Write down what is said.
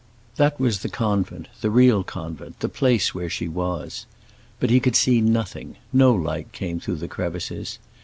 That was the convent, the real convent, the place where she was. But he could see nothing; no light came through the crevices.